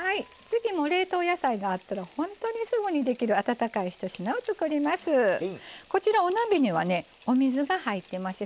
次も冷凍野菜があったら本当に、すぐにできる温かいひと品を作ります。